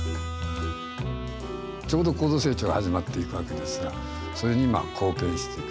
ちょうど高度成長が始まっていくわけですがそれにまあ貢献していく。